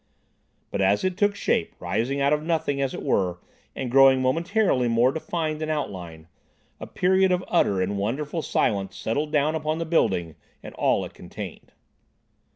But as it took shape, rising out of nothing as it were, and growing momentarily more defined in outline, a period of utter and wonderful silence settled down upon the building and all it contained.